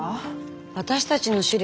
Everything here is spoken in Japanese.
私たちの資料